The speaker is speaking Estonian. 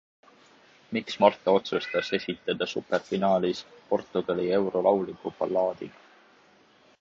Miks Marta otsustas esitada superfinaalis Portugali eurolauliku ballaadi?